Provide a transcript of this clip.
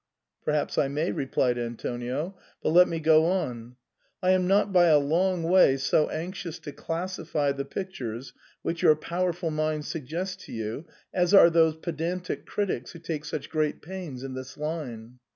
"Perhaps I may," replied Antonio ; "but let me go on. I am not by a long way so anxious to classify the pictures which your powerful mind suggests to you as are those pedantic critics who take such great pains in this line.